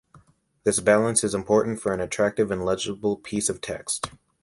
This balance is important for an attractive and legible piece of text.